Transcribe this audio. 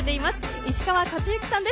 石川勝之さんです。